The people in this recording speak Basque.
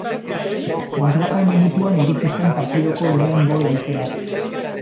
Bosgarren minutuan iritsi zen partidako lehen gol aukera.